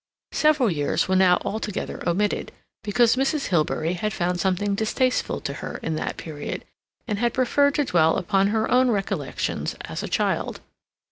Several years were now altogether omitted, because Mrs. Hilbery had found something distasteful to her in that period, and had preferred to dwell upon her own recollections as a child.